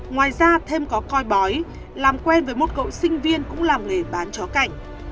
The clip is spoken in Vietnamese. ngoài ra thêm có coi bói làm quen với một cậu sinh viên cũng làm nghề bán chó cảnh